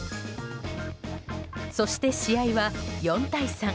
そして試合は４対３。